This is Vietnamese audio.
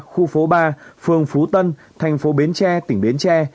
khu phố ba phường phú tân thành phố bến tre tỉnh bến tre